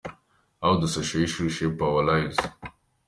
How do social issues shape our lives?.